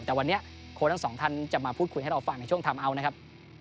แต่วันนี้โค้ชทั้งสองท่านจะมาพูดคุยให้เราฟังในช่วงทำเอาท์นะครับ